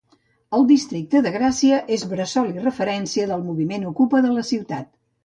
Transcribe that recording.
El districte de Gràcia és bressol i referència del moviment ocupa de la ciutat.